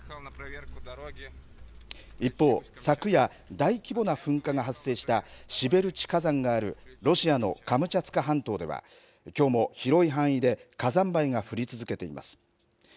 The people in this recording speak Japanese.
一方、昨夜、大規模な噴火が発生したシベルチ火山がある、ロシアのカムチャツカ半島では、きょうも広い範囲で火山灰が降り続けています。